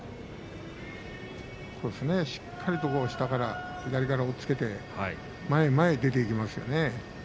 しっかりと下から左から押っつけて前へ前へ出ていきますね。